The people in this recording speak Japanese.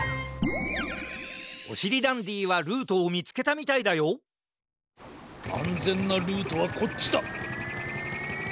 おしりダンディはルートをみつけたみたいだよあんぜんなルートはこっちだ！